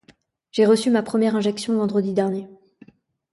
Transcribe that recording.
J’ai reçu ma première injection vendredi dernier.